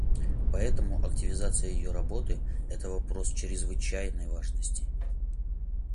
Поэтому активизации ее работы — это вопрос чрезвычайной важности.